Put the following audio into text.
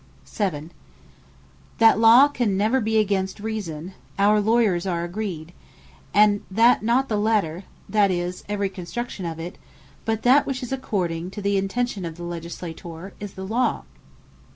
7. That Law can never be against Reason, our Lawyers are agreed; and that not the Letter,(that is, every construction of it,) but that which is according to the Intention of the Legislator, is the Law.